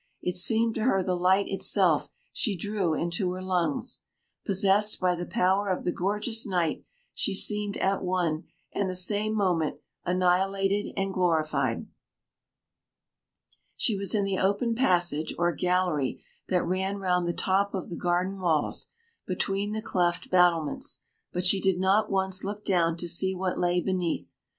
It seemed to her the light itself she drew into her lungs. Possessed by the power of the gorgeous night, she seemed at one and the same moment annihilated and glorified. She was in the open passage or gallery that ran round the top of the garden walls, between the cleft battlements, but she did not once look down to see what lay beneath.